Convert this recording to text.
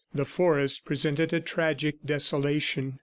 The forest presented a tragic desolation.